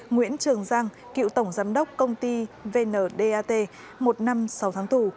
nguyễn trường giang cựu tổng giám đốc công ty vndat một năm sáu tháng tù